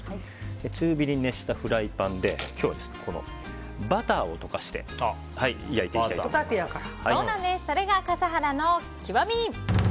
中火で熱したフライパンでバターを溶かしてそれが笠原の極み。